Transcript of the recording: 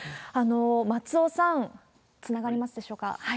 松尾さん、つながりますでしょうか。